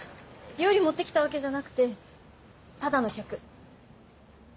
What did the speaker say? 料理持ってきたわけじゃなくてただの客。